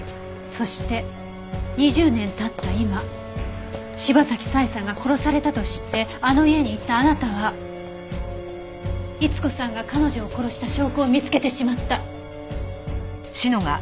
そして２０年経った今柴崎佐江さんが殺されたと知ってあの家に行ったあなたは逸子さんが彼女を殺した証拠を見つけてしまった。